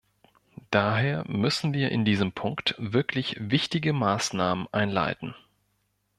Daher müssen wir in diesem Punkt wirklich wichtige Maßnahmen einleiten.